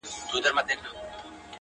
سترګي سرې غټه سینه ببر برېتونه-